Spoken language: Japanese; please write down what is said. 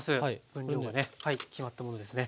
分量がね決まったものですね。